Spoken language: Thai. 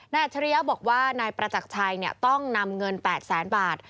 อัจฉริยะบอกว่านายประจักรชัยต้องนำเงิน๘แสนบาท